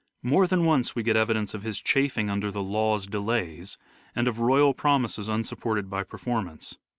More than once we get evidence of his chafing under " the law's delays," and of royal promises unsupported by performance.